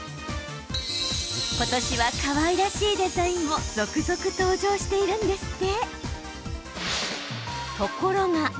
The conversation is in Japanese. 今年はかわいらしいデザインも続々登場しているんですって。